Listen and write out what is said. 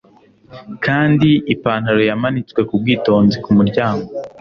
kandi ipantaro yamanitswe ku bwitonzi ku muryango